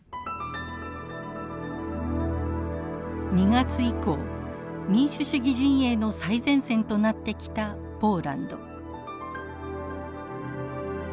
２月以降民主主義陣営の最前線となってきたポーランド。